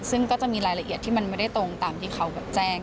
ซึ่งก็จะมีรายละเอียดที่มันไม่ได้ตรงตามที่เขาแจ้ง